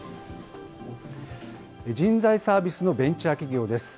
人材サービスのベンチャー企業です。